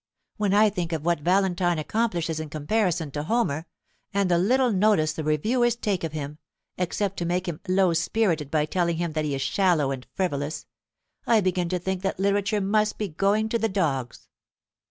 When I think of what Valentine accomplishes in comparison to Homer, and the little notice the reviewers take of him, except to make him low spirited by telling him that he is shallow and frivolous, I begin to think that literature must be going to the dogs."